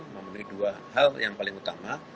memiliki dua hal yang paling utama